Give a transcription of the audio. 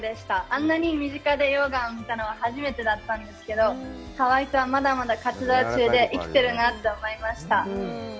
あんなに身近で溶岩を見たのは初めてだったんですけど、ハワイ島はまだまだ活動中で、生きてるなぁと思いました。